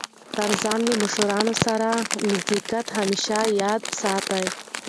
تر ځان له مشرانو سره نزاکت همېشه یاد ساته!